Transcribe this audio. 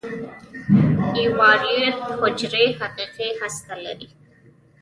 ایوکاریوت حجرې حقیقي هسته لري.